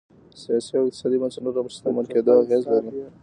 سیاسي او اقتصادي بنسټونه پر شتمن کېدو اغېز لري.